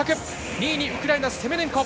２位にウクライナのセメネンコ。